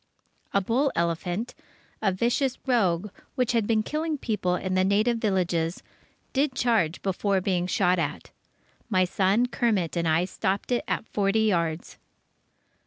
A bull elephant, a vicious "rogue" which had been killing people in the native villages, did charge before being shot at. My son Kermit and I stopped it at forty yards.